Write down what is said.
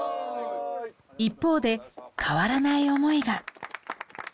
一方で変わらない思いが。